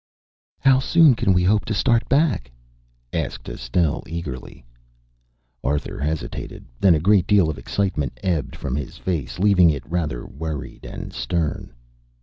"How soon can we hope to start back?" asked Estelle eagerly. Arthur hesitated, then a great deal of the excitement ebbed from his face, leaving it rather worried and stern.